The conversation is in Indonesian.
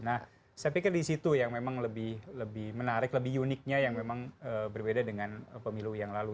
nah saya pikir di situ yang memang lebih menarik lebih uniknya yang memang berbeda dengan pemilu yang lalu